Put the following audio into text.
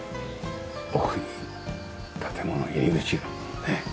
奥に建物入り口がねえ。